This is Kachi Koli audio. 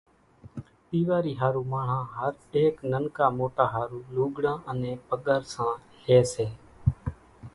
ۮيواري ۿارُو ماڻۿان ھر ايڪ ننڪا موٽا ۿارُو لوڳڙان انين پڳرسان لئي سي